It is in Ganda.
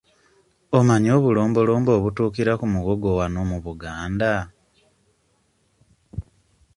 Omanyi obulombolombo obutuukira ku muwogo wano mu Buganda?